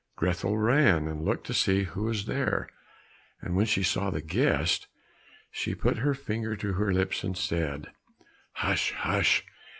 Grethel ran, and looked to see who was there, and when she saw the guest, she put her finger to her lips and said, "Hush! hush!